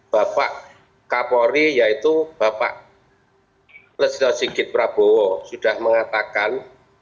bapak kapolri yaitu bapak residu singgit prabowo sudah mengatakan